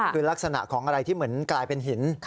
คือลักษณะของอะไรที่เหมือนกลายเป็นหิน